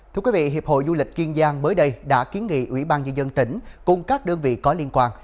thưa quý vị hiệp hội du lịch kiên giang mới đây đã kiến nghị ủy ban nhân dân tỉnh cùng các đơn vị có liên quan